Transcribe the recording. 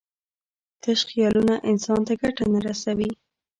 تش خیالونه انسان ته ګټه نه رسوي.